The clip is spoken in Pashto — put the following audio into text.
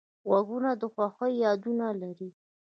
غوږونه د خوښیو یادونه لري